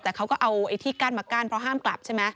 แต่เขาก็เอาไอ้ที่กั้นมากั้นเพราะห้ามกลับใช่ไหม